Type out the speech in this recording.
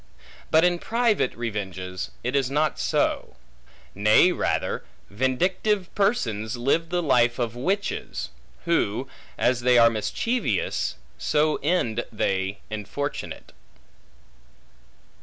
But in private revenges, it is not so. Nay rather, vindictive persons live the life of witches; who, as they are mischievous, so end they infortunate.